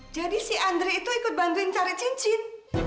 jadi si andre itu ikut bantuin cari cincin